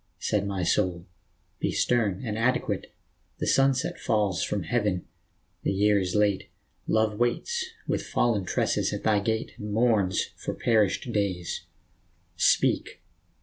said my soul, be stern and adequate ; The sunset falls from Heaven, the year is late, Love waits with fallen tresses at thy gate And mourns for perished days. Speak